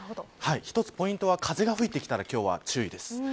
一つポイントは、風が吹いてきたら今日は注意です。